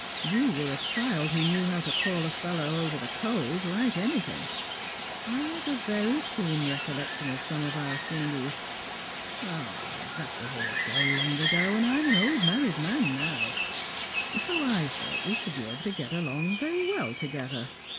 You were a child who knew how to call a fellow over the coals like anything, ['ve a very keen recollection of some of our shindies. However, all that was so long ago, and I'm an old married man now; so I thought we should be able to get on very well together.